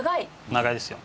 長いですよ。